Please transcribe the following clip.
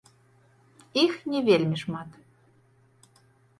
Іх не вельмі шмат.